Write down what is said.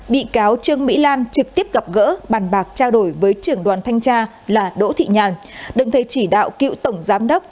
bị cáo trương mỹ lan trực tiếp gặp gỡ bàn bạc trao đổi với trưởng đoàn thanh tra là đỗ thị nhàn đồng thời chỉ đạo cựu tổng giám đốc